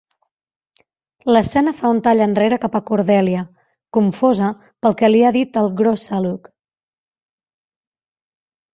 L'escena fa un tall enrere cap a Cordelia, confosa pel que li ha dit el Groosalugg.